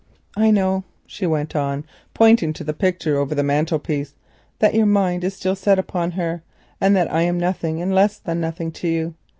"I know," she went on, pointing to the picture over the mantelpiece, "that your mind is still set upon her, and I am nothing, and less than nothing, to you.